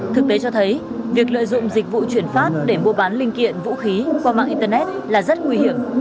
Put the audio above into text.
thực tế cho thấy việc lợi dụng dịch vụ chuyển phát để mua bán linh kiện vũ khí qua mạng internet là rất nguy hiểm